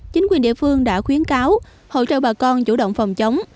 chính quyền địa phương đã khuyến cáo hỗ trợ bà con chủ động phòng chống